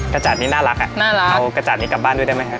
กระจาดนี้น่ารักอ่ะน่ารักเอากระจาดนี้กลับบ้านด้วยได้ไหมครับ